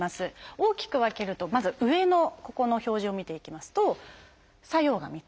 大きく分けるとまず上のここの表示を見ていきますと作用が３つ。